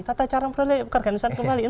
tata cara memperoleh warga negara indonesia kembali